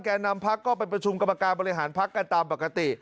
นำพักก็ไปประชุมกรรมการบริหารพักกันตามปกติ